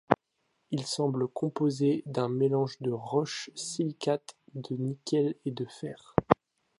Il semble composé d'un mélange de roches silicates, de nickel et de fer.